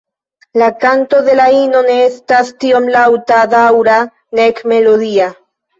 La kanto de la ino ne estas tiom laŭta, daŭra nek melodia.